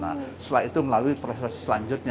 nah setelah itu melalui proses selanjutnya